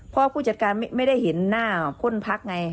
เพราะผู้จัดการไม่ได้เห็นหน้าพ่นพักไง